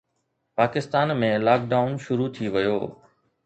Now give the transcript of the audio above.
Pakistan ۾ lockdown شروع ٿي ويو